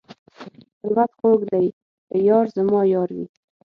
خلوت خوږ دی که یار زما یار وي.